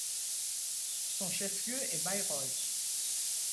Son chef-lieu est Bayreuth.